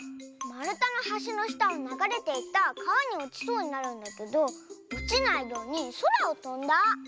まるたのはしのしたをながれていたかわにおちそうになるんだけどおちないようにそらをとんだ？